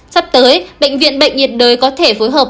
sắp tới bệnh viện bệnh nhiệt đới có thể phối hợp